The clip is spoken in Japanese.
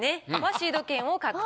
シード権を獲得。